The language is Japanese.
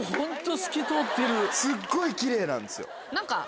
すっごいキレイなんですよ。